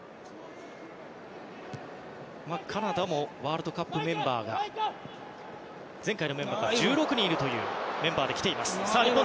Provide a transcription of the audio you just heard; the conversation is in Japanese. カナダもワールドカップメンバーが前回のメンバーが１６人いるというメンバーできています。